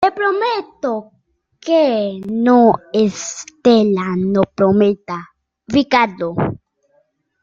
le prometo que no, Estela. no prometa , Ricardo .